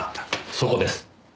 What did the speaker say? そこです。